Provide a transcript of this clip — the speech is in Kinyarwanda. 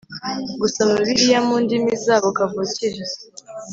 gusoma Bibiliya mu ndimi zabo kavukire